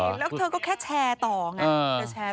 แล้วเธอก็แค่แชร์ต่อไง